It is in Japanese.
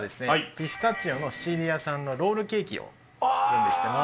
ピスタチオのシチリア産のロールケーキを準備してます。